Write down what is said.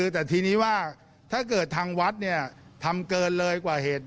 แต่ทีนี้ว่าถ้าเกิดทางวัดทำเกินเลยกว่าเหตุ